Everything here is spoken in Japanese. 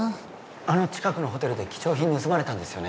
あの近くのホテルで貴重品盗まれたんですよね